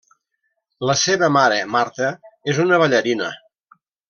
La seva mare, Marta, és una ballarina.